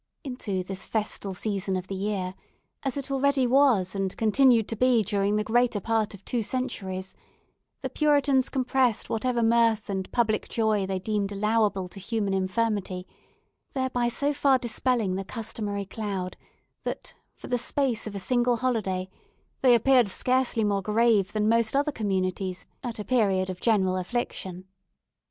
Into this festal season of the year—as it already was, and continued to be during the greater part of two centuries—the Puritans compressed whatever mirth and public joy they deemed allowable to human infirmity; thereby so far dispelling the customary cloud, that, for the space of a single holiday, they appeared scarcely more grave than most other communities at a period of general affliction.